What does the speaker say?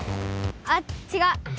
あっちがっ。